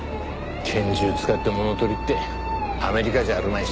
拳銃使って物取りってアメリカじゃあるまいし。